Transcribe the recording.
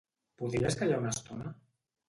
Podries callar una estona?